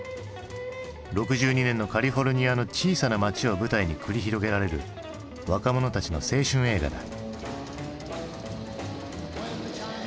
６２年のカリフォルニアの小さな街を舞台に繰り広げられる若者たちの青春映画だ。